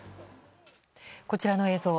こちらの映像。